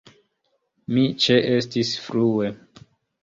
Mi ĉeestis frue.